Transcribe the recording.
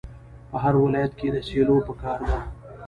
په هر ولایت کې سیلو پکار ده.